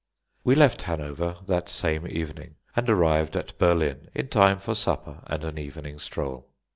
We left Hanover that same evening, and arrived at Berlin in time for supper and an evening stroll.